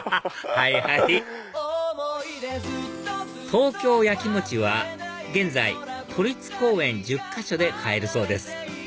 はいはい東京やきもちは現在都立公園１０か所で買えるそうです